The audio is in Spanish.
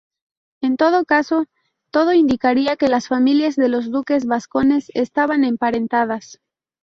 En todo caso, todo indicaría que las familias de los duques vascones estaban emparentadas.